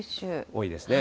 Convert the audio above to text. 多いですね。